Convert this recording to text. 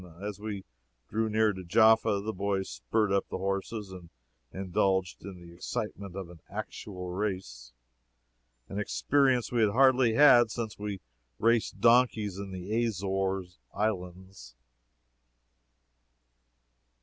As we drew near to Jaffa, the boys spurred up the horses and indulged in the excitement of an actual race an experience we had hardly had since we raced on donkeys in the Azores islands.